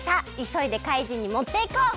そいでかいじんにもっていこう！